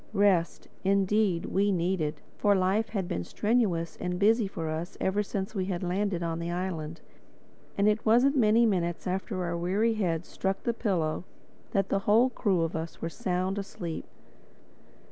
Rest, indeed, we needed; for life had been strenuous and busy for us ever since we had landed on the island. And it wasn't many minutes after our weary heads struck the pillows that the whole crew of us were sound asleep.